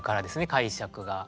解釈が。